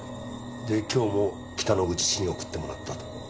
で今日も北之口氏に送ってもらったと？